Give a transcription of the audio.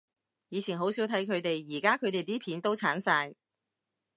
以前好少睇佢哋，而家佢哋啲片都剷晒？